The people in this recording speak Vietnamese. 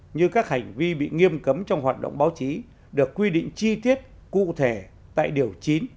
như các hành vi bị nghiêm cấm trong hoạt động báo chí được quy định chi tiết cụ thể tại điều chín